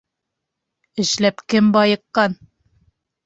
Эшләп кем байыҡҡан?